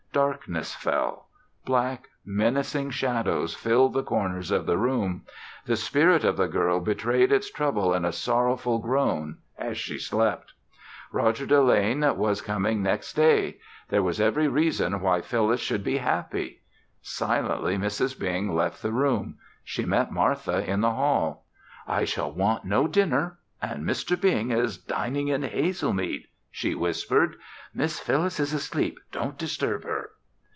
Darkness fell. Black, menacing shadows filled the corners of the room. The spirit of the girl betrayed its trouble in a sorrowful groan as she slept. Roger Delane was coming next day. There was every reason why Phyllis should be happy. Silently, Mrs. Bing left the room. She met Martha in the hall. "I shall want no dinner and Mr. Bing is dining in Hazelmead," she whispered. "Miss Phyllis is asleep. Don't disturb her."